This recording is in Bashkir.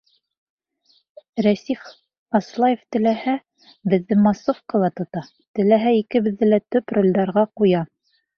Рәсих, Аслаев теләһә, беҙҙе массовкала тота, теләһә, икебеҙҙе лә төп ролдәргә ҡуя.